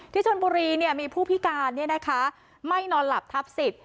ที่ชวนบุรีเนี่ยมีผู้พิการเนี่ยนะคะไม่นอนหลับทับสิทธิ์